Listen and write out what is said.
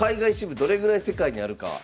どれぐらい世界にあるか山口さん。